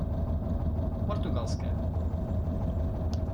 Portugalské.